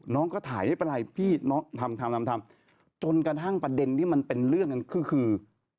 น้องก็ถ่ายไม่เป็นไรพี่น้องทำทำทำจนกระทั่งประเด็นที่มันเป็นเรื่องกันก็คือ